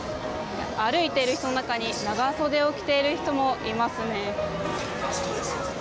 歩いている人の中に長袖を着ている人もいますね。